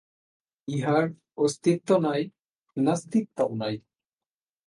ইহার অস্তিত্ব নাই, নাস্তিত্বও নাই।